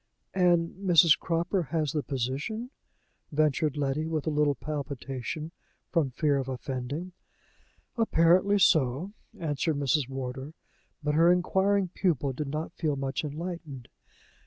"And Mrs. Cropper has the position?" ventured Letty, with a little palpitation from fear of offending. "Apparently so," answered Mrs. Wardour. But her inquiring pupil did not feel much enlightened.